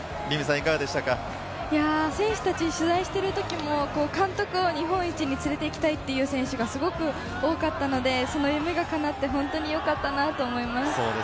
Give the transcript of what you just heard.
選手達を取材している時も監督を日本一に連れて行きたいという選手がすごく多かったので、その夢がかなって本当に良かったなと思います。